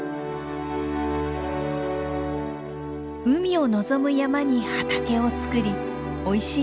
海を望む山に畑を作りおいしい